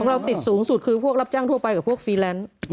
เราติดสูงสุดคือพวกรับจ้างทั่วไปกับพวกฟรีแลนซ์